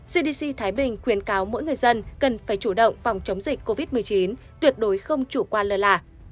cdc thái bình khuyến cáo mỗi người dân cần phải chủ động phòng chống dịch covid một mươi chín tuyệt đối không chủ quan lơ là